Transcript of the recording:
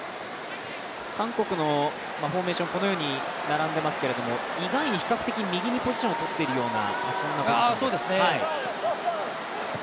韓国のフォーメーション、このように並んでいますけど、イ・ガンイン、比較的右にポジションをとっているような。